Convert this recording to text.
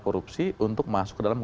korupsi untuk masuk ke dalam